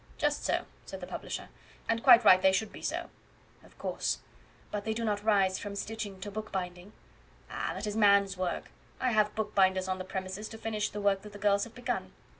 "Just so," said the publisher; "and quite right they should be so." "Of course; but do they not rise from stitching to bookbinding?" "Ah! that is man's work. I have bookbinders on the premises, to finish the work that the girls have begun."